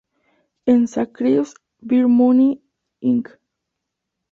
En Sacrifice, Beer Money, Inc.